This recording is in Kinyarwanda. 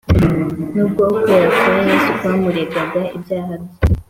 . Nubwo ukwera kwa Yesu kwamuregaga ibyaha bye,